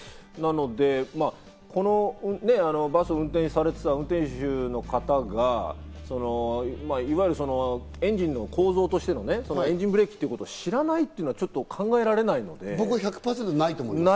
なので、このバスを運転されていたバスの運転手の方がいわゆるエンジンの構造として、エンジンブレーキということを知らないっていうのはちょっと考え僕は１００％ないと思います。